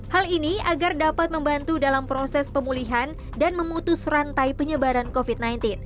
hal ini agar dapat membantu dalam proses pemulihan dan memutus rantai penyebaran covid sembilan belas